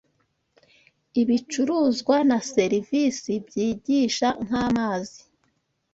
ibicuruzwa na serivisi byigisha nkamazi